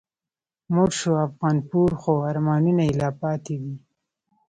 مړ شو افغانپور خو آرمانونه یې لا پاتی دي